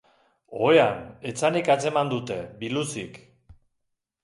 Ohean, etzanik atzeman dute, biluzik.